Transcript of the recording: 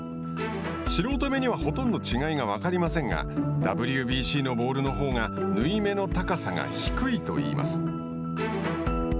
素人目にはほとんど違いが分かりませんがＷＢＣのボールのほうが縫い目の高さが低いといいます。